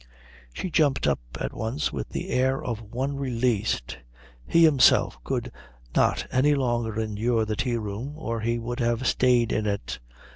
She jumped up at once with the air of one released. He himself could not any longer endure the tea room or he would have stayed in it.